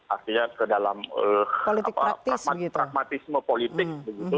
artinya ke dalam pragmatisme politik begitu